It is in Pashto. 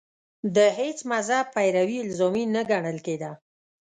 د هېڅ مذهب پیروي الزامي نه ګڼل کېده